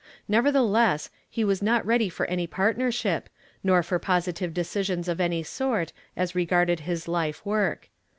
Nevertheless, he was not ready for any partnei'ship, nor for positive decis ions of any sort as regarded his life work.